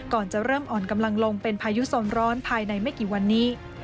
ก่อนจะเริ่มอ่อนกำลังลงเป็นพายุโซนร้อนภายในไม่กี่วันนี้